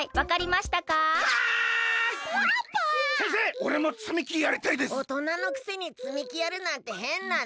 おとなのくせにつみきやるなんてへんなの。